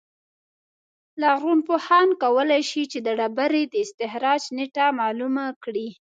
لرغونپوهان کولای شي چې د ډبرې د استخراج نېټه معلومه کړي